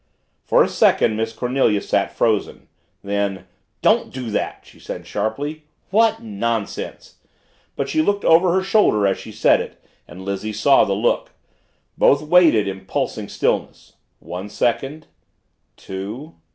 For a second Miss Cornelia sat frozen. Then, "Don't do that!" she said sharply. "What nonsense!" but she, looked over her shoulder as she said it and Lizzie saw the look. Both waited, in pulsing stillness one second two.